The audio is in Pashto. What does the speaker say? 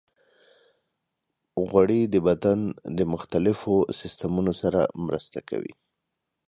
غوړې د بدن د مختلفو سیستمونو سره مرسته کوي.